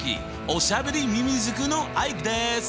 おしゃべりミミズクのアイクです。